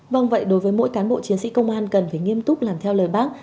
vâng vậy đối với mỗi cán bộ chiến sĩ công an cần phải nghiêm túc làm theo lời bác